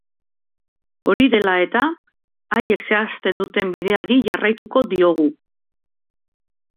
Hori dela eta, haiek zehazten duten bideari jarraituko diogu.